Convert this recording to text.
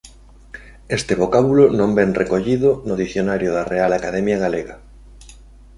Este vocábulo non vén recollido no Dicionario da Real Academia Galega.